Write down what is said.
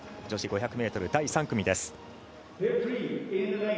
女子５００ｍ第３組です。